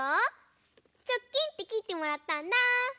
ちょっきんってきってもらったんだ。